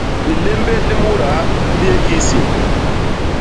Lilémbél li mudaa li yé kiisin.